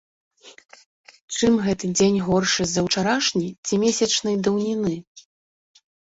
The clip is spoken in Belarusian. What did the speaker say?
Чым гэты дзень горшы за ўчарашні ці месячнай даўніны?